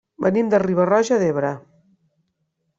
Venim de Riba-roja d'Ebre.